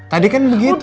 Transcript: tadi kan begitu